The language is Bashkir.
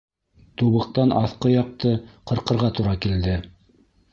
Тубыҡтан аҫҡы яҡты ҡырҡырға тура килде.